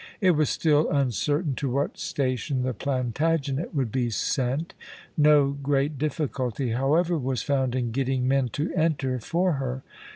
It was still uncertain to what station the Plantagenet would be sent. No great difficulty, however, was found in getting men to enter for her.